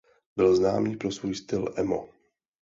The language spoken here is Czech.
Byl známý pro svůj styl emo.